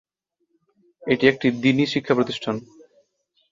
এটি একটি দ্বীনি শিক্ষা প্রতিষ্ঠান।